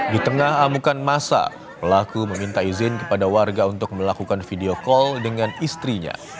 di tengah amukan masa pelaku meminta izin kepada warga untuk melakukan video call dengan istrinya